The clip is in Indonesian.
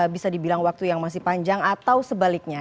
bisa dibilang waktu yang masih panjang atau sebaliknya